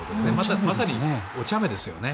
まさにおちゃめですよね。